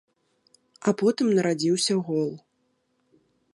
А потым нарадзіўся гол.